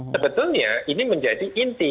sebetulnya ini menjadi inti